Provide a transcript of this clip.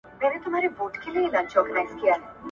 ښه ملګري ارزښت لري.